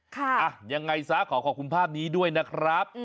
อ่ะยังไงซะขอขอบคุณภาพนี้ด้วยนะครับ